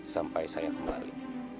sampai saya kembali